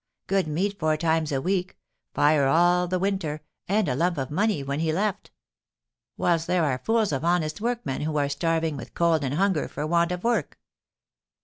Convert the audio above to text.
Good meat four times a week, fire all the winter, and a lump of money when he left it; whilst there are fools of honest workmen who are starving with cold and hunger, for want of work."